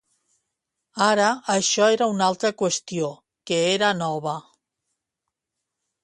Ara, això era una altra qüestió, que era nova.